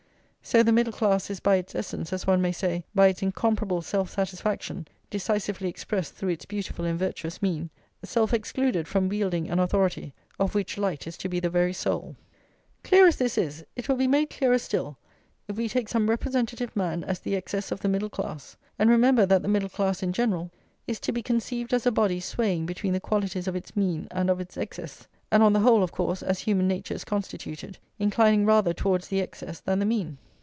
So the middle class is by its essence, as one may say, by its incomparable self satisfaction decisively expressed through its beautiful and virtuous mean, self excluded from wielding an authority of which light is to be the very soul. Clear as this is, it will be made clearer still if we take some representative man as the excess of the middle class, and remember that the middle class, in general, is to be conceived as a body swaying between the qualities of its mean and of its excess, and on the whole, of course, as human nature is constituted, inclining rather towards the excess than the mean.